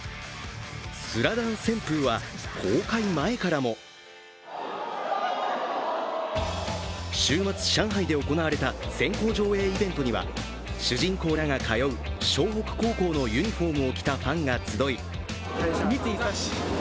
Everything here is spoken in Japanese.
スラダン旋風は公開前からも週末、上海で行われた先行上映イベントには主人公らが通う湘北高校のユニフォームを着たファンが集い